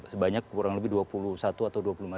sebanyak kurang lebih dua puluh satu atau dua puluh lima